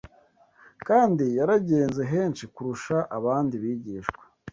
kandi yaragenze henshi kurusha abandi bigishwa